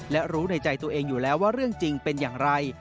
และรู้ในใจตัวเองอยู่แล้วว่าเรื่องจริงเป็นอย่างไร